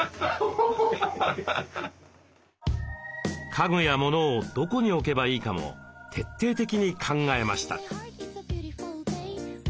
家具やモノをどこに置けばいいかも徹底的に考えました。